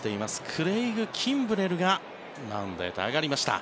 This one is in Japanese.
クレイグ・キンブレルがマウンドへと上がりました。